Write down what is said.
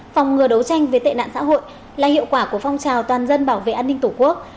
phòng ngừa đấu tranh với tệ nạn xã hội là hiệu quả của phong trào toàn dân bảo vệ an ninh tổ quốc